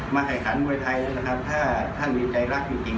แข่งขันมวยไทยนะครับถ้าท่านมีใจรักจริง